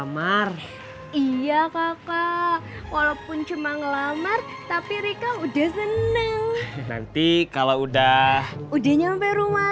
mar iya kakak walaupun cuma ngelamar tapi rika udah seneng nanti kalau udah ujinya sampai rumah